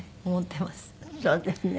そうですね。